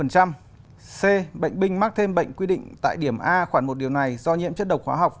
c bệnh binh mắc thêm bệnh quy định tại điểm a khoảng một điều này do nhiễm chất độc hóa học